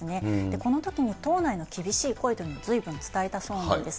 このときの党内の厳しい声というのをずいぶん伝えたそうなんです。